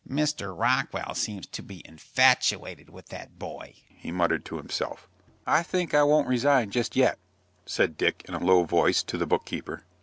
"Mr. Rockwell seems to be infatuated with that boy," he muttered to himself. "I think I won't resign just yet," said Dick, in a low voice, to the book keeper.